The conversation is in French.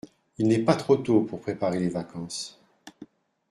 Il n’est pas trop tôt pour préparer les vacances.